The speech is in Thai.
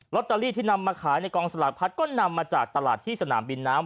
ตเตอรี่ที่นำมาขายในกองสลากพัดก็นำมาจากตลาดที่สนามบินน้ำ